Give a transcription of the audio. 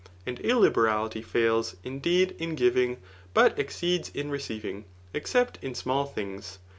And illiberality £aiis, indeed, in giving, but exceeds in receiving, except in small things.